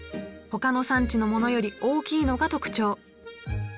ほかの産地のものより大きいのが特徴。